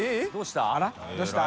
どうした？